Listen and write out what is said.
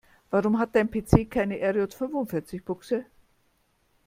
Warum hat dein PC keine RJ-fünfundvierzig-Buchse?